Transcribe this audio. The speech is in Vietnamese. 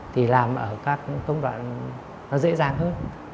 thì làm ở các công đoạn nó dễ dàng hơn